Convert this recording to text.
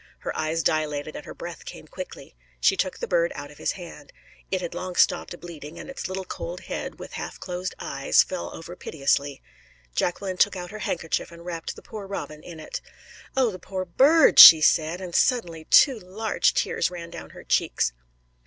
Her eyes dilated and her breath came quickly. She took the bird out of his hand. It had long stopped bleeding, and its little cold head, with half closed eyes, fell over piteously. Jacqueline took out her handkerchief and wrapped the poor robin in it. "Oh, the poor bird!" she said, and suddenly two large tears ran down her cheeks.